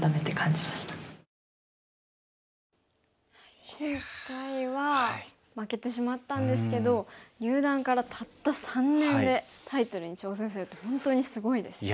今回は負けてしまったんですけど入段からたった３年でタイトルに挑戦するって本当にすごいですよね。